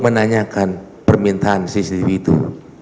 menanyakan permintaan cctv itu